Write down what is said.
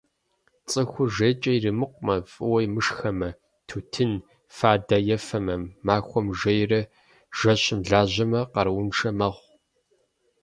Цӏыхур жейкӀэ иримыкъумэ, фӏыуэ мышхэмэ, тутын, фадэ ефэмэ, махуэм жейрэ жэщым лажьэмэ къарууншэ мэхъу.